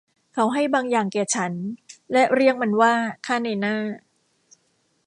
เขาให้บางอย่างแก่ฉันและเรียกมันว่า ค่านายหน้า